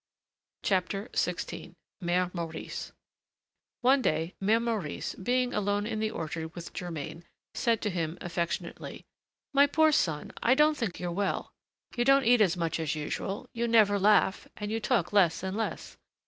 XVI MÈRE MAURICE One day, Mère Maurice, being alone in the orchard with Germain, said to him affectionately: "My poor son, I don't think you're well. You don't eat as much as usual, you never laugh, and you talk less and less.